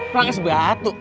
perang es batu